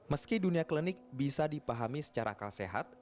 meski dunia klinik bisa dipahami secara akal sehat